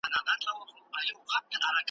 د خلکو کورونو ته اورونه اچولي `